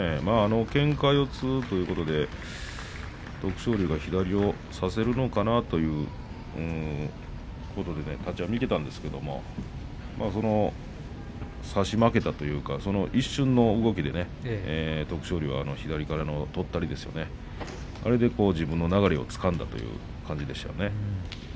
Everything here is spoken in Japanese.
けんか四つということで徳勝龍が左を差せるのかなということでね立ち合い見ていたんですけれど差し負けたというか一瞬の動きで徳勝龍は左からのとったりですよね、あれで自分の流れをつかんだっていう感じでしたよね。